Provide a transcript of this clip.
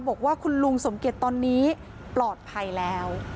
บอกว่าคุณลุงสมเกียจตอนนี้ปลอดภัยแล้ว